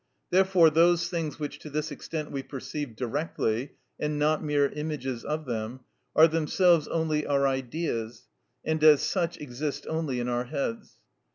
Therefore those things which to this extent we perceive directly, and not mere images of them, are themselves only our ideas, and as such exist only in our heads.